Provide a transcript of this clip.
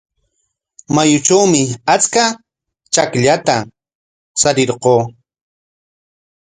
Mayutrawmi achka challwata charirquu.